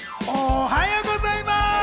おはようございます！